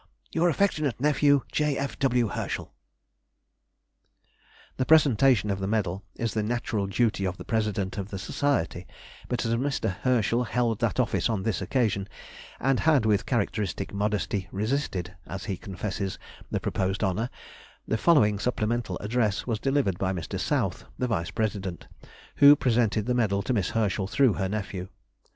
Your affectionate Nephew, J. F. W. HERSCHEL. The presentation of the medal is the natural duty of the president of the society, but as Mr. Herschel held that office on this occasion, and had with characteristic modesty "resisted," as he confesses, the proposed honour, the following supplemental address was delivered by Mr. South, the vice president, who presented the medal to Miss Herschel through her nephew.